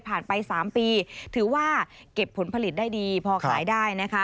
ผ่านไป๓ปีถือว่าเก็บผลผลิตได้ดีพอขายได้